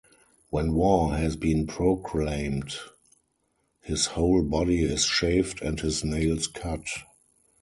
When war has been proclaimed, his whole body is shaved and his nails cut.